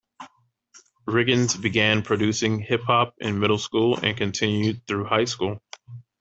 Riggins began producing hip hop in middle school and continued through high school.